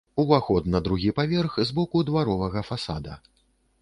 Уваход на другі паверх з боку дваровага фасада.